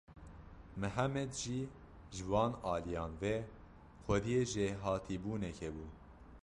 Mihemed jî ji wan aliyan ve xwediyê jêhatîbûnekê bû.